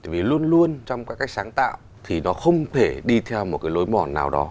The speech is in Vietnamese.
vì luôn luôn trong các cách sáng tạo thì nó không thể đi theo một cái lối mòn nào đó